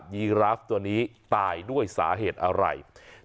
ีราฟตัวนี้ตายด้วยสาเหตุอะไร